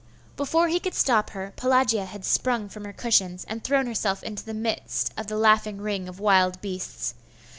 Before he could stop her, Pelagia had sprung from her cushions, and thrown herself into the midst of the laughing ring of wild beasts.